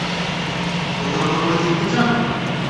প্রতারণা করে জিততে চান?